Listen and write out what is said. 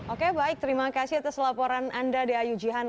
oke baik terima kasih atas laporan anda diayu jehan